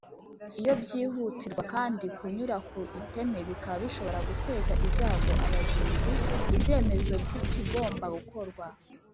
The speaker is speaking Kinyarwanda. iyo byihutirwa kandi ku nyura ku iteme bikaba bishobora guteza ibyago abagenzi ibyemezo by’ikigomba gukorwa